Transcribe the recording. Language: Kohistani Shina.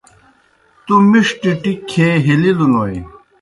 تُوْ مِݜٹیْ ٹِکیْ کھیے ہیلِلِوْنوئے۔